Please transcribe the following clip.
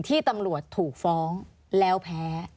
ที่ตำรวจถูกฟ้องแล้วแพ้